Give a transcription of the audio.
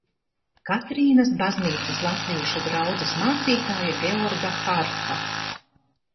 Katrīnas baznīcas latviešu draudzes mācītāja Georga Harfa.